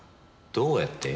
どうやって？